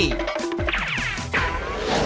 ไม่